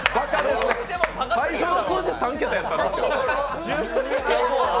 最初の数字３桁やったんですけど。